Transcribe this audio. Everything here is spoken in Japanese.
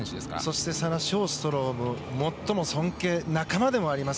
そしてサラ・ショーストロムを最も尊敬仲間でもあります